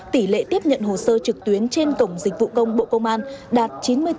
tỷ lệ tiếp nhận hồ sơ trực tuyến trên cổng dịch vụ công bộ công an đạt chín mươi bốn chín mươi bốn